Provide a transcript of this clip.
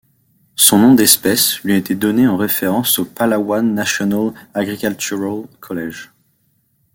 Son nom d'espèce lui a été donné en référence au Palawan National Agricultural College.